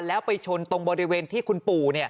แล้วไปชนตรงบริเวณที่คุณปู่